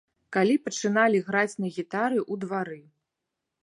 Калі пачыналі граць на гітары ў двары.